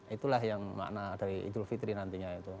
itulah yang makna dari idul fitri nantinya itu